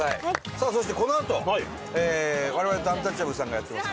さあそしてこのあと我々とアンタッチャブルさんがやってます